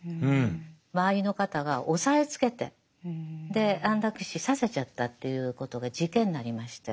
周りの方が押さえつけてで安楽死させちゃったということが事件になりまして。